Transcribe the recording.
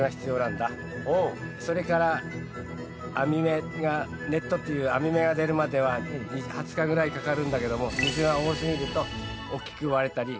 それから網目がネットっていう網目が出るまでは２０日ぐらいかかるんだけども水が多すぎると大きく割れたり変な網目になっちゃうんだ。